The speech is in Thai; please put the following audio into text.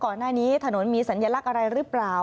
ก่อนหน้านี้ถนนมีสัญลักษณ์อะไรหรือเปล่า